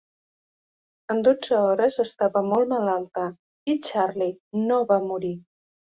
En dotze hores estava molt malalta. I Charley no va morir.